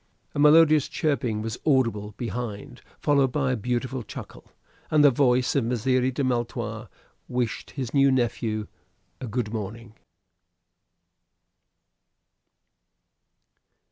A melodious chirping was audible behind, followed by a beautiful chuckle, and the voice of Messire de Maletroit wished his new nephew a good morning.